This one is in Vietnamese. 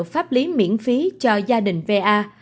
pháp lý miễn phí cho gia đình va